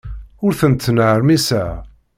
Ur ten-ttnermiseɣ.